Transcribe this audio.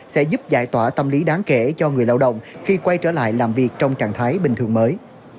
sẽ giúp giải tỏa tâm lý đáng kể cho người lao động khi quay trở lại làm việc trong trạng thái bình thường mới